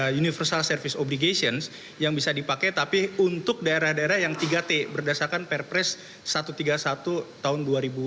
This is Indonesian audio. universal service obligations yang bisa dipakai tapi untuk daerah daerah yang tiga t berdasarkan perpres satu ratus tiga puluh satu tahun dua ribu dua puluh